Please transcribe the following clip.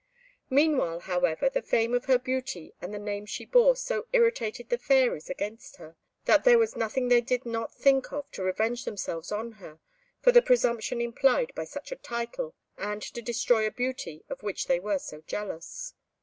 Meanwhile, however, the fame of her beauty and the name she bore so irritated the fairies against her, that there was nothing they did not think of to revenge themselves on her, for the presumption implied by such a title, and to destroy a beauty of which they were so jealous.